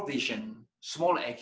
vision kecil aksi kecil